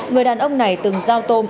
người đàn ông này từng giao tôm